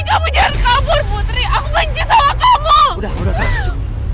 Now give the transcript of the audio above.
kamu jangan kabur putri aku benci sama kamu udah